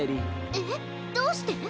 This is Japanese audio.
えっどうして？